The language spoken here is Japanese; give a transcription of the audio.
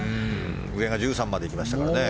上が１３まで行きましたからね。